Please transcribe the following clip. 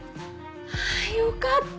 ああよかった！